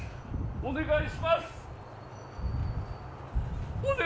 お願いします。